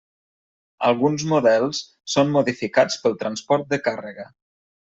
Alguns models són modificats pel transport de càrrega.